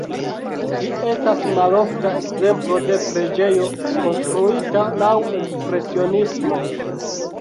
Ĝi estas malofta ekzemplo de preĝejo konstruita laŭ ekspresionismo.